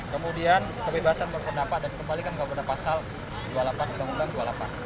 kemudian kebebasan berpendapat dan kembalikan kabar pasal dua puluh delapan uu dua puluh delapan